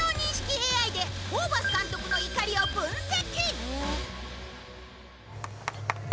ＡＩでホーバス監督の怒りを分析